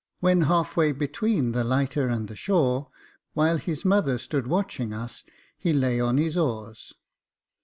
When half way between the lighter and the shore, while his mother stood watching us, he lay on his oars.